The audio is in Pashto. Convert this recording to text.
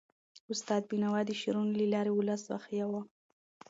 استاد بینوا د شعرونو له لارې ولس ویښاوه.